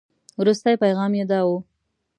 وروستي پيغام یې داو.